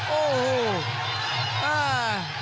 โอ้โห